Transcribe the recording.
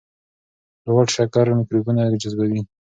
لوړ شکر میکروبونه جذبوي.